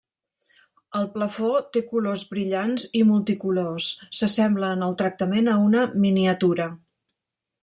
El plafó té colors brillants i multicolors, s'assembla en el tractament a una miniatura.